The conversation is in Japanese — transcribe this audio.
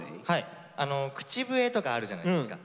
口笛とかあるじゃないですか。